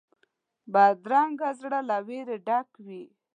بدرنګه زړه له وېرې ډک وي